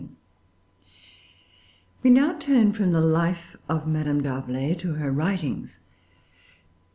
We now turn from the life of Madame D'Arblay to her writings.